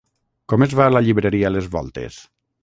Com es va a la llibreria les Voltes?